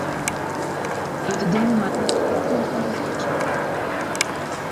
It ding moat likegoed nochal wat koste ha.